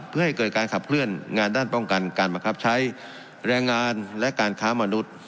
เพื่อให้เกิดการขับเคลื่อนงานด้านป้องกันการบังคับใช้แรงงานและการค้ามนุษย์